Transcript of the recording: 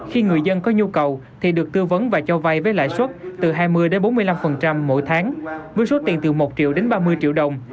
khi người dân có nhu cầu thì được tư vấn và cho vay với lãi suất từ hai mươi đến bốn mươi năm mỗi tháng với số tiền từ một triệu đến ba mươi triệu đồng